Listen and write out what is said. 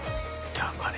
黙れ。